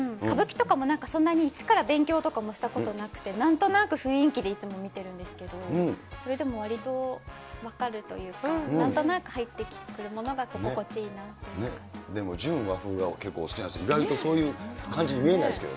歌舞伎とかもなんかそんなに一から勉強とかもしたことなくて、なんとなく雰囲気でいつも見てるんですけど、それでもわりと分かるというか、なんとなく入ってくるものだと心地いいなっていう感じで。